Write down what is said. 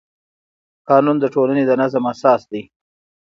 قانون د ټولنې د نظم اساس دی.